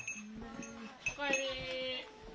おかえり。